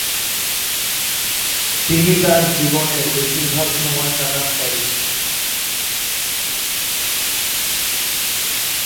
তিনি তার জীবনের বেশিরভাগ সময় কাটান প্যারিসে।